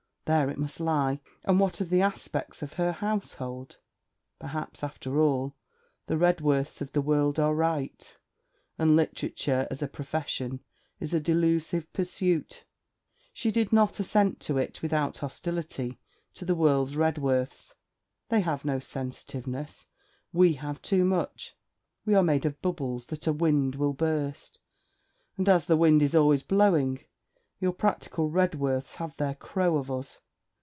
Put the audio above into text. There it must lie! And what of the aspects of her household? Perhaps, after all, the Redworths of the world are right, and Literature as a profession is a delusive pursuit. She did not assent to it without hostility to the world's Redworths. 'They have no sensitiveness, we have too much. We are made of bubbles that a wind will burst, and as the wind is always blowing, your practical Redworths have their crow of us.'